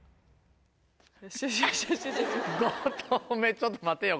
ちょっと待ってよ